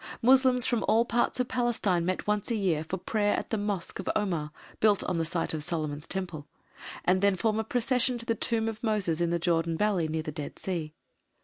Moslems from all parts of Palestine meet once a year for prayer at the Mosque of Omar (built on the site of Solomon's temple), and then form a procession to the Tomb of Moses in the Jordan Valley, near the Dead Sea.